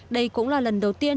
đây cũng là lần đầu tiên